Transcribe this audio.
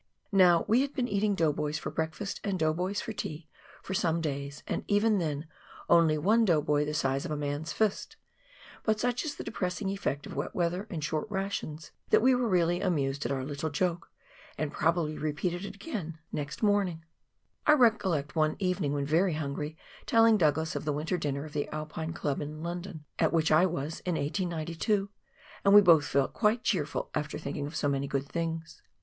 Now, we had been eating dough boys for breakfast and dough boys for tea for some days, and, even then, only one dough boy the size of a man's fist ; but such is the depressing effect of wet weather and short rations that we were really amused at our little joke, and probably repeated it again next 140 PIONEER WORK IX THE ALPS OF NEW ZEALAND. morning ! I recollect one evening, when very hungry, telling Douglas of the winter dinner of the Alpine Club in London, at which I was in 1892, and we both felt quite cheerful after thinking of so many good things.